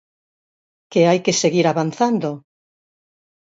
¿Que hai que seguir avanzando?